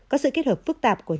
có sự kết hợp phức tạp của chính phủ